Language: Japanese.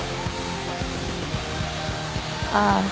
ああ。